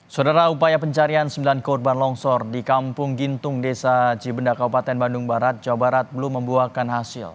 saudara upaya pencarian sembilan korban longsor di kampung gintung desa cibenda kabupaten bandung barat jawa barat belum membuahkan hasil